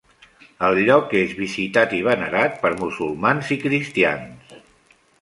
El lloc és visitat i venerat per musulmans i cristians.